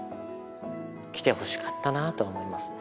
来てほしかったなと思いますね。